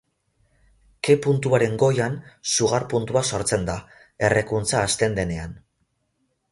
Ke-puntuaren goian, sugar-puntua sortzen da, errekuntza hasten denean.